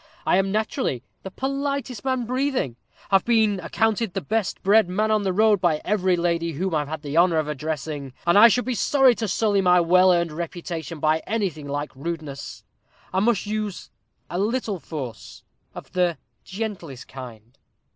I am naturally the politest man breathing have been accounted the best bred man on the road by every lady whom I have had the honor of addressing; and I should be sorry to sully my well earned reputation by anything like rudeness. I must use a little force, of the gentlest kind.